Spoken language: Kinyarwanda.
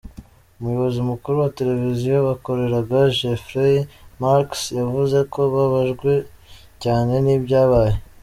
Umuyobozi mukuru wa televiziyo bakoreraga, Jeffrey Marks yavuze ko babajwe cyane n’ ibyabaye.